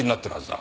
だ